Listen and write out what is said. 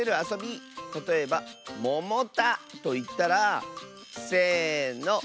たとえば「ももた」といったらせの。